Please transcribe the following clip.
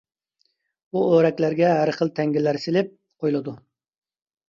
بۇ ئورەكلەرگە ھەر خىل تەڭگىلەر سېلىپ قويۇلىدۇ.